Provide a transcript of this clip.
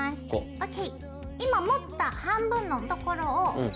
ＯＫ。